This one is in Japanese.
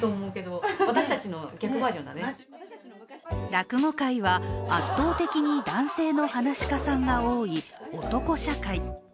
落語界は圧倒的に男性の噺家さんが多い男社会。